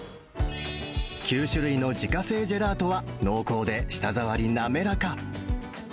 ９種類の自家製ジェラートは、濃厚で、舌触り滑らか。